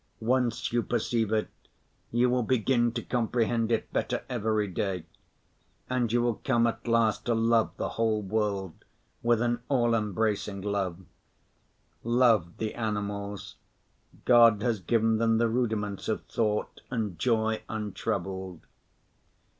Once you perceive it, you will begin to comprehend it better every day. And you will come at last to love the whole world with an all‐ embracing love. Love the animals: God has given them the rudiments of thought and joy untroubled.